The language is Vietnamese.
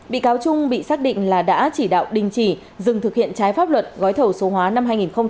bị cáo trung bị xác định là đã chỉ đạo đình chỉ dừng thực hiện trái pháp luật gói thầu số hóa năm hai nghìn hai mươi